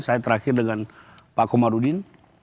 saya terakhir dengan pak komarudin